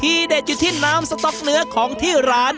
เด็ดอยู่ที่น้ำสต๊อกเนื้อของที่ร้าน